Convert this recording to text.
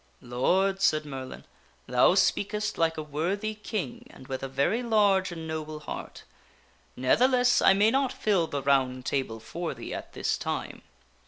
" Lord," said Merlin, " thou speakest. like a worthy king and with a very large and noble heart. Ne'theless, I may not fill the Round Table for thee at this time.